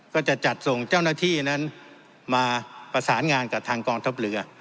ก็จะจัดส่งเจ้าหน้าที่นั้นมาประสานงานกับทางกองทัพเรือ